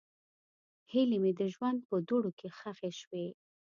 هیلې مې د ژوند په دوړو کې ښخې شوې.